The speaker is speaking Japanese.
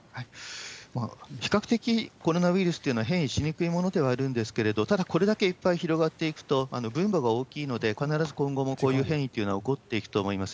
比較的コロナウイルスというのは変異しにくいものではあるんですけれども、ただ、これだけいっぱい広がっていくと、分母が大きいので、必ず今後もこういう変異というのは起こっていくと思います。